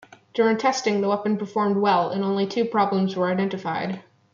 During testing the weapon performed well, and only two problems were identified.